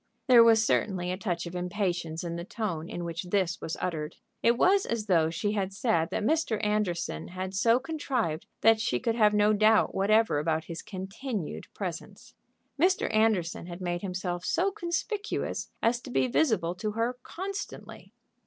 There was certainly a touch of impatience in the tone in which this was uttered. It was as though she had said that Mr. Anderson had so contrived that she could have no doubt whatever about his continued presence. Mr. Anderson had made himself so conspicuous as to be visible to her constantly.